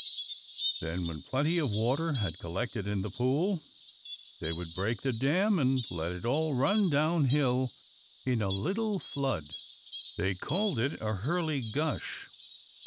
Then, when plenty of water had collected in the pool, they would break the dam and let it all run downhill in a little flood; they called it a "hurly gush."